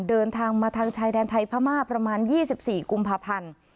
เดินทางมาทางชายแดนไทยพม่าประมาณ๒๔กุมภาพันธ์